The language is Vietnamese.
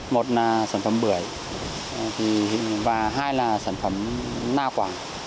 một là sản phẩm bưởi và hai là sản phẩm na quảng